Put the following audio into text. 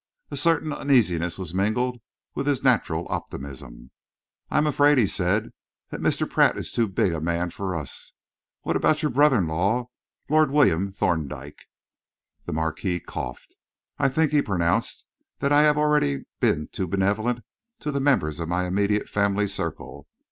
A certain uneasiness was mingled with his natural optimism. "I am afraid," he said, "that Mr. Pratt is too big a man for us. What about your brother in law, Lord William Thorndyke?" The Marquis coughed. "I think," he pronounced, "that I have already been too benevolent to the members of my immediate family circle.